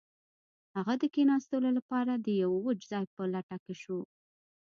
هغه د کښیناستلو لپاره د یو وچ ځای په لټه شو